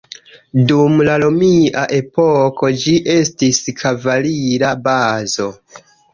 Dum la romia epoko, ĝi estis kavalira bazo.